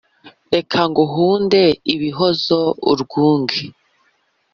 reka nguhunde ibihozo urwunge